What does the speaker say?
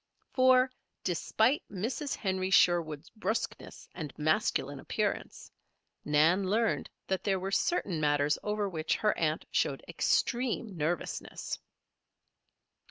For, despite Mrs. Henry Sherwood's bruskness and masculine appearance, Nan learned that there were certain matters over which her aunt showed extreme nervousness.